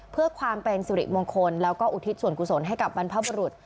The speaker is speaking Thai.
เพื่อความเป็นสิริมงคลแล้วก็อุทิศส่วนกุศลให้กับบรรพบุรุษ